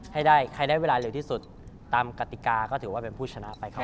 ให้ได้ใครได้เวลาเร็วที่สุดตามกติกาก็ถือว่าเป็นผู้ชนะไปครับ